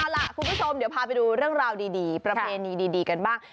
เอาล่ะคุณผู้ชมเดี๋ยวพาไปดูเรื่องราวดีประเพณีดีกันบ้าง